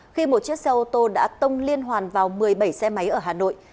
khi một chiếc xe ô tô đã tông liên hoàn vào một mươi bảy xe máy ở hà nội